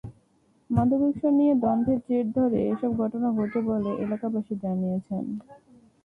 মাদক ব্যবসা নিয়ে দ্বন্দ্বের জের ধরে এসব ঘটনা ঘটে বলে এলাকাবাসী জানিয়েছেন।